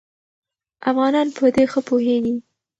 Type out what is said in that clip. افغانان په دې ښه پوهېږي.